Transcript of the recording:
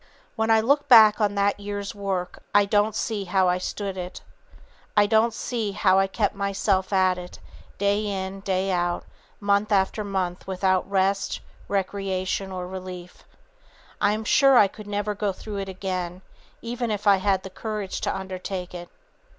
"When I look back on that year's work I don't see how I stood it. I don't see how I kept myself at it, day in, day out, month after month without rest, recreation or relief. I am sure I could never go through it again, even if I had the courage to undertake it.